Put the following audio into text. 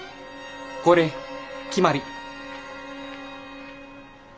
これきまり。